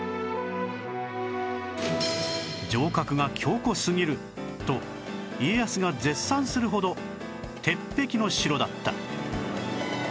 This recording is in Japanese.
城郭が強固すぎると家康が絶賛するほど鉄壁の城だった